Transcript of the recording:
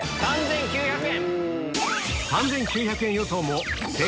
３９００円。